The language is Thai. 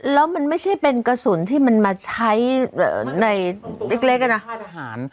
แล้วมันไม่ใช่เป็นกระสุนที่มันมาใช้ในอีกเล็กนะ